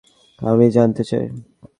আমিও জানতে চাই!